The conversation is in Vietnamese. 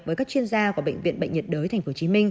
với các chuyên gia của bệnh viện bệnh nhiệt đới tp hcm